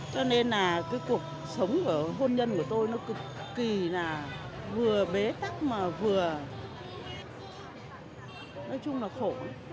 cho nên là cái cuộc sống của hôn nhân của tôi nó cực kỳ là vừa bế tắc mà vừa nói chung là khổ